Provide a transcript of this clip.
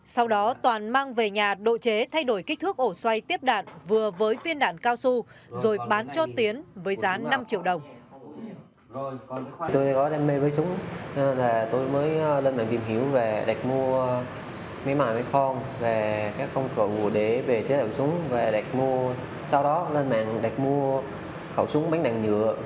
sau đó toàn mang về nhà độ chế thay đổi kích thước ổ xoay tiếp đạn vừa với phiên đạn cao su rồi bán cho tiến với giá năm triệu đồng